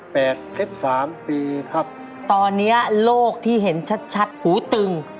แปดสิบสามปีครับตอนเนี้ยโลกที่เห็นชัดชัดหูตึง